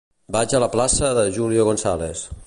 Vaig a la plaça de Julio González.